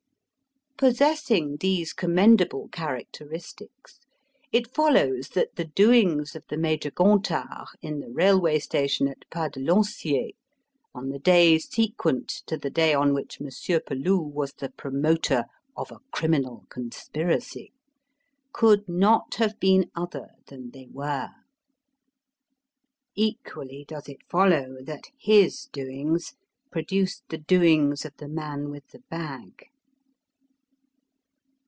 Possessing these commendable characteristics, it follows that the doings of the Major Gontard in the railway station at Pas de Lanciers on the day sequent to the day on which Monsieur Peloux was the promoter of a criminal conspiracy could not have been other than they were. Equally does it follow that his doings produced the doings of the man with the bag.